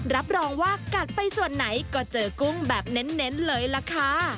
รับรองว่ากัดไปส่วนไหนก็เจอกุ้งแบบเน้นเลยล่ะค่ะ